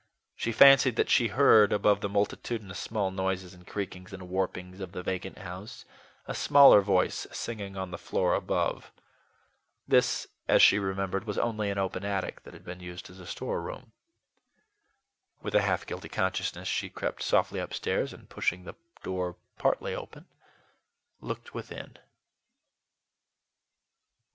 She fancied that she heard, above the multitudinous small noises and creakings and warpings of the vacant house, a smaller voice singing on the floor above. This, as she remembered, was only an open attic that had been used as a storeroom. With a half guilty consciousness, she crept softly upstairs and, pushing the door partly open, looked within.